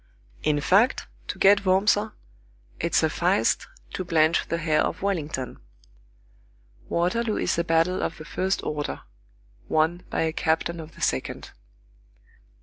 In fact, to get Wurmser, it sufficed to blanch the hair of Wellington. Waterloo is a battle of the first order, won by a captain of the second.